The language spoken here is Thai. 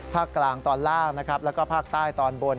ภาคกลางตอนล่างนะครับแล้วก็ภาคใต้ตอนบน